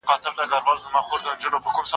اوس بيا بل رنګه حساب دئ